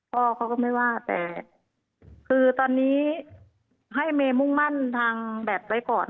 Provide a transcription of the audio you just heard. พ่อเขาก็ไม่ว่าแต่คือตอนนี้ให้เมย์มุ่งมั่นทางแบตไว้ก่อน